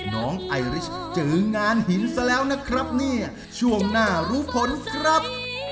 น้องไอริชเจองานหินซะแล้วนะครับเนี่ยช่วงหน้ารู้ผลครับ